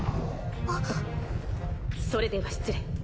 それでは失礼。